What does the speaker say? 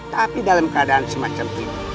tapi dalam keadaan semacam ini